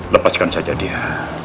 lepaskan saja dia